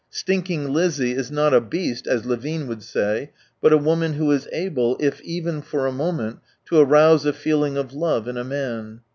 Stinking Lizzie is not a beast, as Levin would say, but a woman who is able, if even for a moment, to arouse a feeling of love in a man.